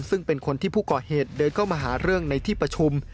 ซึ่งเป็นคนที่ผู้ก่อเหตุเดินเข้ามาหาเรื่องในที่ประชุม